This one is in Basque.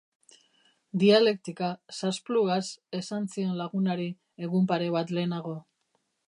Dialektika, Sasplugas, esan zion lagunari egun pare bat lehenago.